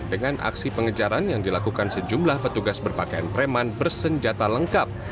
dengan aksi pengejaran yang dilakukan sejumlah petugas berpakaian preman bersenjata lengkap